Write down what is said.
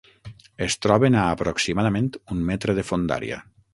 Es troben a aproximadament un metre de fondària.